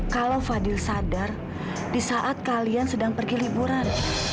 kalau fadil sadar di saat kalian sedang pergi liburan